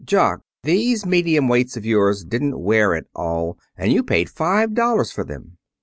"Jock, these medium weights of yours didn't wear at all, and you paid five dollars for them."